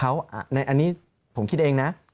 อันนี้ผมคิดเองนะ